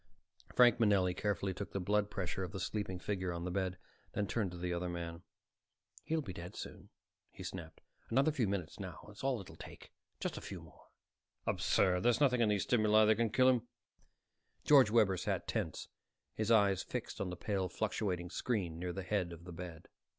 Frank Manelli carefully took the blood pressure of the sleeping figure on the bed; then turned to the other man. "He'll be dead soon," he snapped. "Another few minutes now is all it'll take. Just a few more." "Absurd. There's nothing in these stimuli that can kill him." George Webber sat tense, his eyes fixed on the pale fluctuating screen near the head of the bed.